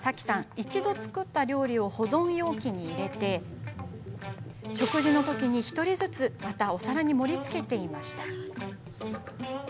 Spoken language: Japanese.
一度作った料理を保存容器に入れて食事のときに１人ずつお皿に盛りつけていました。